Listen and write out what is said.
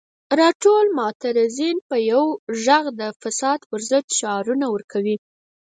راټول شوي معترضین په یو غږ د فساد پر ضد شعارونه ورکوي.